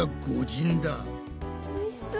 おいしそう。